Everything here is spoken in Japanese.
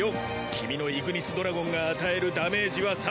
君のイグニスドラゴンが与えるダメージは３。